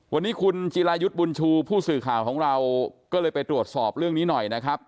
วันนี้คุณจิรายุทธ์บุญชูผู้สื่อข่าวของเราก็เลยไปตรวจสอบเรื่องนี้หน่อยนะครับ